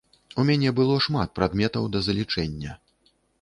У мяне было шмат прадметаў да залічэння.